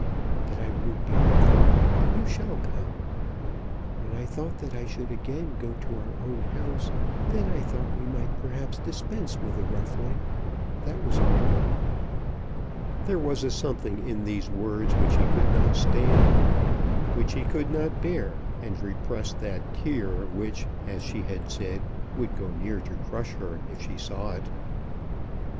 But I won't be ruffled, and you shall come. When I thought that I should go again to our own house, then I thought we might perhaps dispense with the ruffling; that was all." There was a something in these words which he could not stand, which he could not bear and repress that tear which, as she had said, would go near to crush her if she saw it.